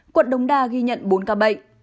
quận đống đa ghi nhận bốn ca bệnh